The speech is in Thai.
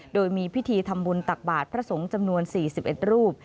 โดยมีพิธีทำบุญตักบาทพระสงฆ์จำนวน๔๑รูป